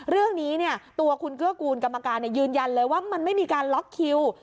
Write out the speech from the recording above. เรื่องนี้ตัวคุณเกื้อกูลกรรมการยืนยันเลยว่ามันไม่มีการล็อกคิว